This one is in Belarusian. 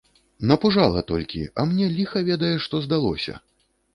Напужала толькі, а мне ліха ведае што здалося.